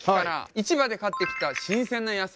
市場で買ってきた新鮮な野菜。